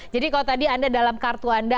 jadi kalau tadi anda dalam kartu anda